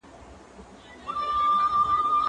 زه اوس کالي وچوم؟!